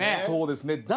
そうですね。